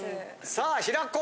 さあ平子！